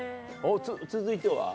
続いては？